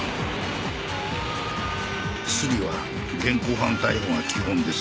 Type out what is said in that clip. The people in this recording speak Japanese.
スリは現行犯逮捕が基本です。